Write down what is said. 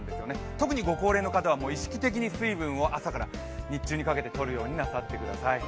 特にご高齢の方は意識的に水分を日中にかけてとるようになさってください。